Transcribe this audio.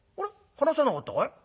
話さなかったかい？